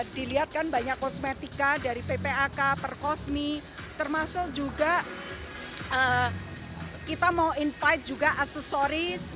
dilihatkan banyak kosmetika dari ppak perkosmi termasuk juga kita mau invite juga aksesori